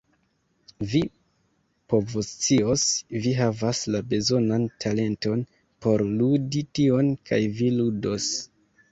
Vi povoscios, vi havas la bezonan talenton por ludi tion, kaj vi ludos.